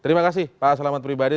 terima kasih pak selamat pribadi